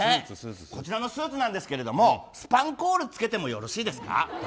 こちらのスーツなんですけどもスパンコールつけてもよろしいですか？